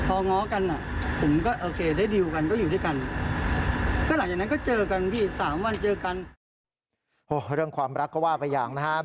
โอ้เรื่องความรักก็ว่าไปอย่างนะครับ